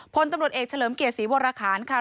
พลตำรวจเอกเฉลิมเกียรติศรีวรคารค่ะ